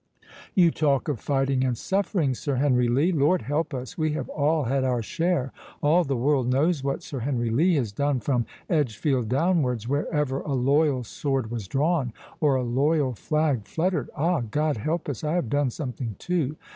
"You talk of fighting and suffering, Sir Henry Lee. Lord help us, we have all had our share. All the world knows what Sir Henry Lee has done from Edgefield downwards, wherever a loyal sword was drawn, or a loyal flag fluttered. Ah, God help us! I have done something too.